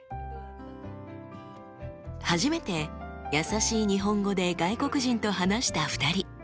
初めてやさしい日本語で外国人と話した２人。